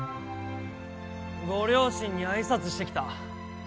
ご両親に挨拶してきた。